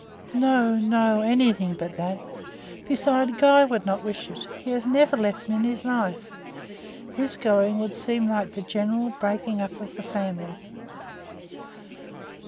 "No, no; anything but that. Beside, Guy would not wish it. He has never left me in his life. His going would seem like the general breaking up of the family."